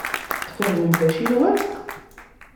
Tfehhmem tacinwat?